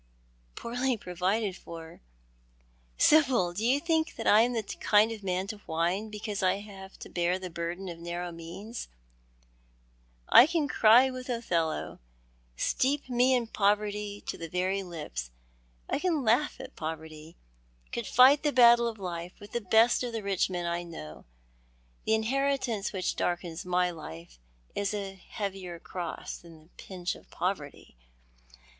" Poorly provided for ! Sibyl, do you think I am the kind of man to whine because I have to bear the burden of narrow means ? I can cry with Othello—' Steep me in poverty to th« very lips.' I can langh at poverty— could fight the battle of life with the best of the rich men I know. The inheritance which darkens my life is a heavier cross than the pinch of poverty.